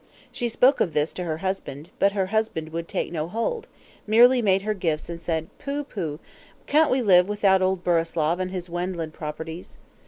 She spoke of this to her husband; but her husband would take no hold, merely made her gifts, and said, "Pooh, pooh, can't we live without old Burislav and his Wendland properties?"